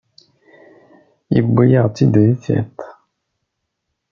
Yewwi-yawen-tt-id di tiṭ.